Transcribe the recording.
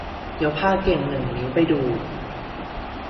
เดี๋ยวพาเก่งหนึ่งนิ้วไปดู